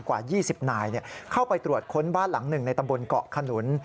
กว่า๒๐นายเข้าไปตรวจค้นบ้านหลังหนึ่งในตำบลเกาะขนุน